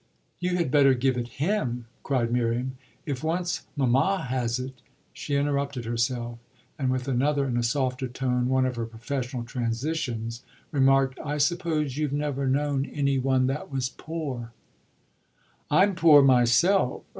"You had better give it him!" cried Miriam. "If once mamma has it !" She interrupted herself and with another and a softer tone, one of her professional transitions, remarked: "I suppose you've never known any one that was poor." "I'm poor myself.